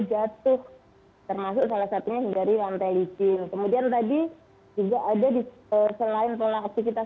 jatuh termasuk salah satunya hindari lantai licin kemudian tadi juga ada di selain pola aktivitas